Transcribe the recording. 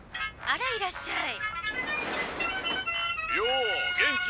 「あらいらっしゃい」。